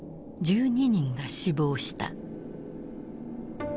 １２人が死亡した。